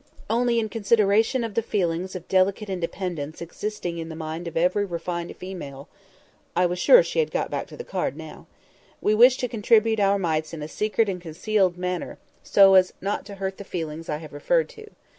Only in consideration of the feelings of delicate independence existing in the mind of every refined female"—I was sure she had got back to the card now—"we wish to contribute our mites in a secret and concealed manner, so as not to hurt the feelings I have referred to.